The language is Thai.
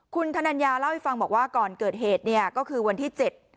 คุณธนัญญาเล่าให้ฟังบอกว่าก่อนเกิดเหตุเนี่ยก็คือวันที่เจ็ด